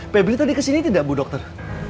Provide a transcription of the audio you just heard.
pebri tadi kesini tidak bu dokter